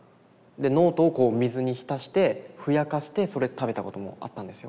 ノートを水に浸してふやかしてそれ食べたこともあったんですよ。